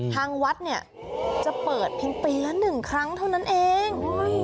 ทางวัดจะเปิดปีนละหนึ่งครั้งเท่านั้นเอง